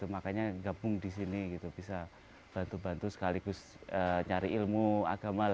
makanya gabung di sini bisa bantu bantu sekaligus nyari ilmu agama